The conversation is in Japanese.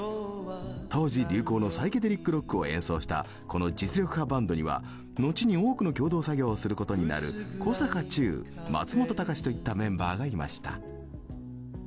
当時流行のサイケデリックロックを演奏したこの実力派バンドには後に多くの共同作業をすることになる小坂忠松本隆といったメンバーがいました。